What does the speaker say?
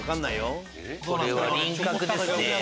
これは輪郭ですね。